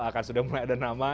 akan sudah mulai ada nama